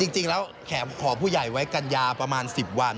จริงแล้วแขมขอผู้ใหญ่ไว้กัญญาประมาณ๑๐วัน